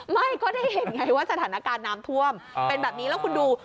ไม่ก็ได้เห็นไงว่าสถานการณ์น้ำท่วมเป็นแบบนี้แล้วคุณดู